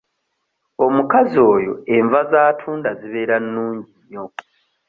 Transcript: Omukazi oyo enva z'atunda zibeera nnungi nnyo.